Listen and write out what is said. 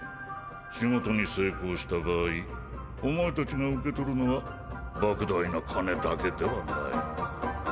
仕事に成功した場合お前たちが受け取るのは莫大な金だけではない。